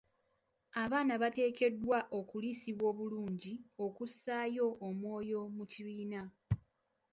Abaana bateekeddwa okuliisibwa obulungi okussaayo omwoyo mu kibiina.